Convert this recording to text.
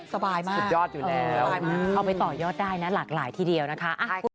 สบายมากสุดยอดอยู่แล้วเอาไปต่อยอดได้นะหลากหลายทีเดียวนะคะ